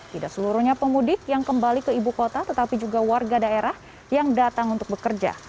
tidak seluruhnya pemudik yang kembali ke ibu kota tetapi juga warga daerah yang datang untuk bekerja